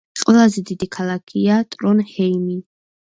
ყველაზე დიდი ქალაქია ტრონჰეიმი.